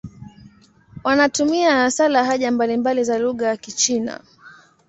Wanatumia hasa lahaja mbalimbali za lugha ya Kichina.